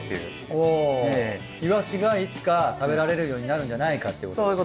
おぉいわしがいつか食べられるようになるんじゃないかってことですか。